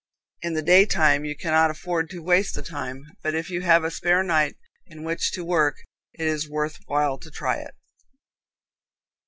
In the daytime you cannot afford to waste the time, but if you have a spare night in which to work, it is worth while to try it."